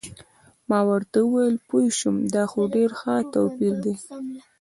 ما ورته وویل: پوه شوم، دا خو ډېر ښه توپیر دی.